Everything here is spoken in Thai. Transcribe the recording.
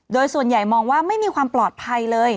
โดยส่วนใหญ่มองว่าไม่มีความปลอดภัยเลย